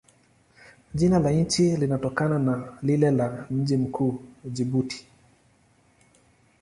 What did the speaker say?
Jina la nchi linatokana na lile la mji mkuu, Jibuti.